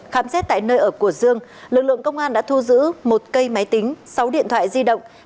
khám xét tại nơi ở của dương lực lượng công an đã thu giữ một cây máy tính sáu điện thoại di động